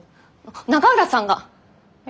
永浦さんが！え？